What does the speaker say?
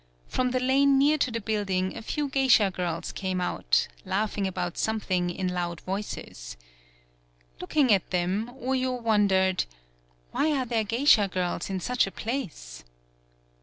From the lane near to the build ing a few geisha girls came out, laugh ing about something in loud voices. Looking at them, Oyo wondered: "Why are there geisha girls in such a place?"